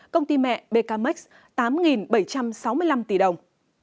công ty mẹ becamex tám bảy trăm sáu mươi năm tỷ đồng